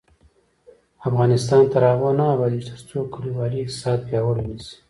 افغانستان تر هغو نه ابادیږي، ترڅو کلیوالي اقتصاد پیاوړی نشي.